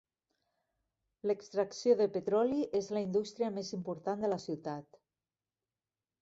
L'extracció de petroli és la indústria més important de la ciutat.